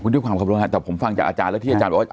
แต่ผมฟังจากอาจารย์แล้วที่อาจารย์บอกว่า